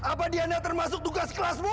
apa diana termasuk tugas kelasmu